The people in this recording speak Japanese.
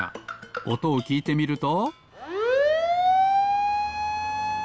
おとをきいてみると。